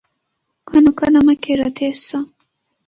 کونه کونه مه کېږه، تېز ځه!